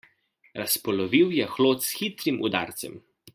Razpolovil je hlod s hitrim udarcem.